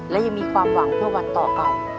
และยังมีความหวังเพื่อวันต่อเก่า